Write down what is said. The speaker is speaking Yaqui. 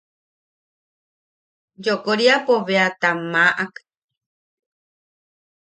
Yokoriapo bea tam maʼak.